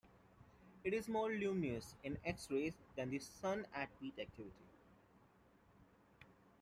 It is more luminous in X-rays than the Sun at peak activity.